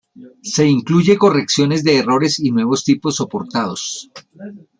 Se incluye correcciones de errores y nuevos tipos soportados.